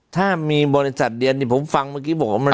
ถ้ามีบริษัทเดียวที่ผมฟังเมื่อกี้บอกผม